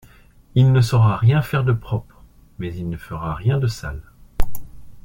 Il ne saura rien faire de propre,… mais il ne fera rien de sale.